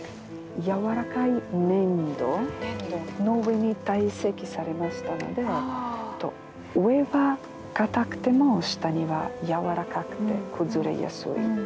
軟らかい粘土の上に堆積されましたので上は硬くても下には軟らかくて崩れやすい。